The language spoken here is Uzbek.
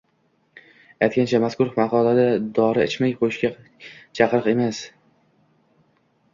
Aytgancha, mazkur maqola dori ichmay qo‘yishga chaqiriq emas